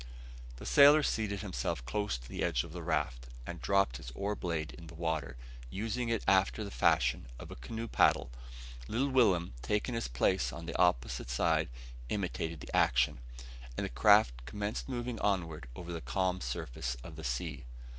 The sailor seated himself close to the edge of the raft, and dropped his oar blade in the water, using it after the fashion of a canoe paddle. "Little Will'm," taking his place on the opposite side, imitated the action; and the craft commenced moving onward over the calm surface of the sea.